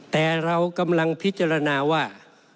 แต่เรากำลังพิจารณาว่า